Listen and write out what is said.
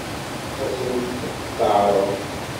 Ad sent-tt-teɛṛeḍ?